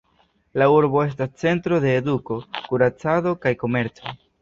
La urbo estas centro de eduko, kuracado kaj komerco.